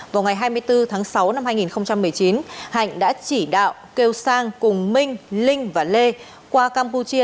vào ngày hai mươi bốn tháng sáu năm hai nghìn một mươi chín hạnh đã chỉ đạo kêu sang cùng minh linh và lê qua campuchia